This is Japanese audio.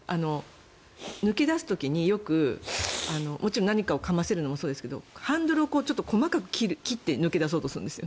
抜け出す時にもちろん何かをかませるのもそうですがハンドルを細かく切って抜け出そうとするんですよ。